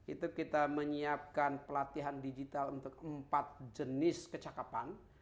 itu kita menyiapkan pelatihan digital untuk empat jenis kecakapan